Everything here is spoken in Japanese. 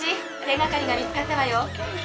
手がかりが見つかったわよ。